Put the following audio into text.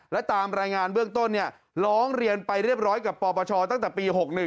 และตามรายงานเบื้องต้นร้องเรียนไปเรียบร้อยกับปปชตั้งแต่ปี๖๑